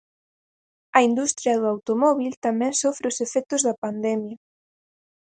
A industria do automóbil tamén sofre os efectos da pandemia.